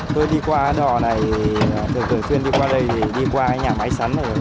tôi đi qua đỏ này thường thường xuyên đi qua đây đi qua nhà máy sắn này